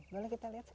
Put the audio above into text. boleh kita lihat